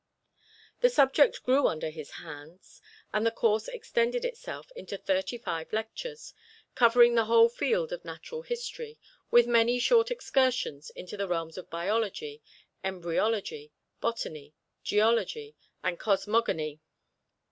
The subject grew under his hands and the course extended itself into thirty five lectures, covering the whole field of natural history, with many short excursions into the realms of biology, embryology, botany, geology and cosmogony.